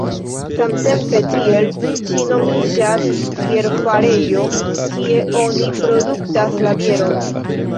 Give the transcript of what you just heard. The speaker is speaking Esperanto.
Samtempe tiel ĉi nomiĝas bierfarejo, kie oni produktas la bieron.